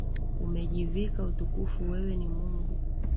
Umejivika utukufu, wewe ni Mungu